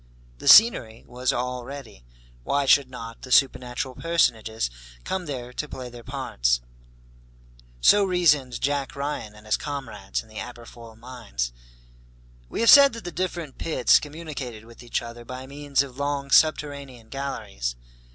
The scenery was all ready, why should not the supernatural personages come there to play their parts? So reasoned Jack Ryan and his comrades in the Aberfoyle mines. We have said that the different pits communicated with each other by means of long subterranean galleries.